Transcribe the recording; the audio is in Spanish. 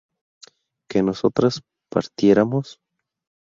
¿que nosotras partiéramos?